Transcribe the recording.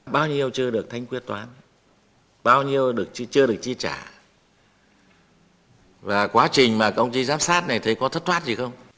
bao nhiêu chưa được thanh quyết toán bao nhiêu chưa được chi trả và quá trình mà công sĩ giám sát này thấy có thất thoát gì không